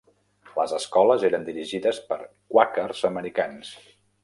Les escoles eren dirigides per quàquers americans.